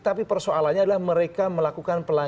tapi persoalannya adalah mereka melakukan pelanggaran